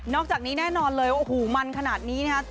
นอกจากนี้แน่นอนเลยมันขนาดนี้นะครับ